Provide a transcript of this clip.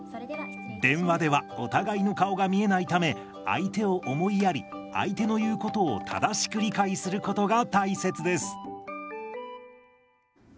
電話ではお互いの顔が見えないため相手を思いやり相手の言うことを正しく理解することが大切です。